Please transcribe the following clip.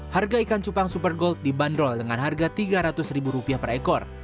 harga ikan cupang super gold dibanderol dengan harga tiga ratus ribu rupiah per ekor